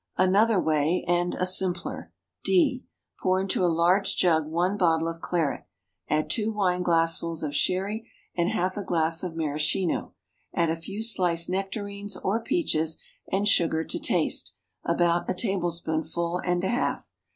Another way and a simpler: D. Pour into a large jug one bottle of claret, add two wine glassfuls of sherry, and half a glass of maraschino. Add a few sliced nectarines, or peaches, and sugar to taste (about a tablespoonful and a half).